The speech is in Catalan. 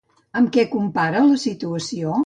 Amb què compara la situació?